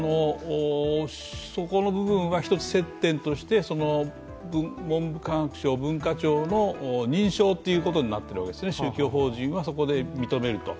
そこの部分は一つ接点として文部科学省、文化庁の認証ということになっているわけですね、宗教法人はそこで認めると。